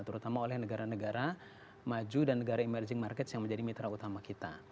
terutama oleh negara negara maju dan negara emerging markets yang menjadi mitra utama kita